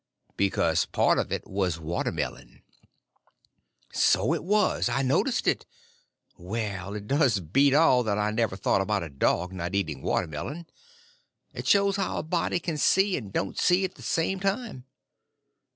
"Because part of it was watermelon." "So it was—I noticed it. Well, it does beat all that I never thought about a dog not eating watermelon. It shows how a body can see and don't see at the same time."